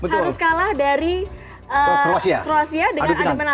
harus kalah dari kroasia dengan adipenatum